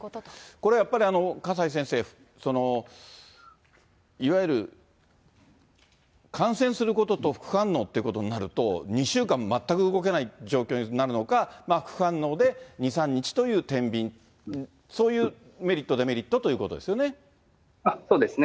これやっぱり、笠井先生、いわゆる感染することと副反応ってことになると、２週間全く動けない状況になるのか、副反応で２、３日というてんびん、そういうメリット、そうですね。